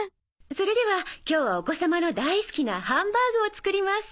それでは今日はお子様の大好きなハンバーグを作ります。